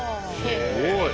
すごい。